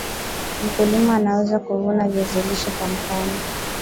mkulima anaweza kuvuna viazi lishe kwa mkono